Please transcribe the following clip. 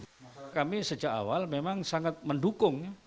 masalah kami sejak awal memang sangat mendukung